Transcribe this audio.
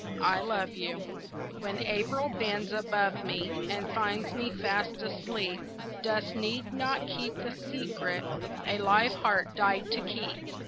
"I Love You" When April bends above me And finds me fast asleep, Dust need not keep the secret A live heart died to keep.